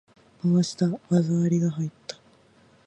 回した！技ありが入った！